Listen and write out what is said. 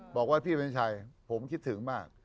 บอกว่าพี่เป็นชัยผมคิดถึงมาก